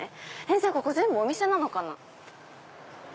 じゃあここ全部お店なのかな。